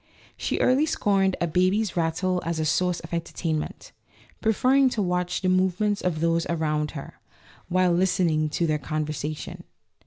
She early scorned a baby's rattle as a source of entertainment, preferring to watch the movements of those around her, while listening to their con versation.